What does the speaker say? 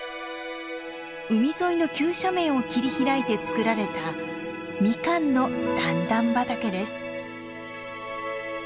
海沿いの急斜面を切り開いて作られたミカンの段々畑です。